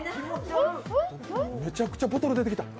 めちゃくちゃボトル出てきた。